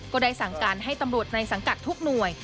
ก็ได้สั่งการให้ตำรวจในสังกัดทุกหน่วย